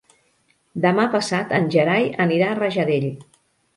Demà passat en Gerai anirà a Rajadell.